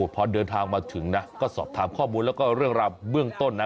พอเดินทางมาถึงนะก็สอบถามข้อมูลแล้วก็เรื่องราวเบื้องต้นนะ